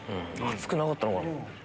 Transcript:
熱くなかったのかな。